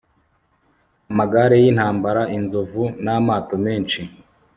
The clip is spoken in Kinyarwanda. amagare y'intambara, inzovu n'amato menshi